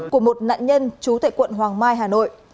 của một nạn nhân trú tại quận hoàng mai hà nội